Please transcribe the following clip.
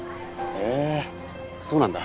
へえそうなんだ。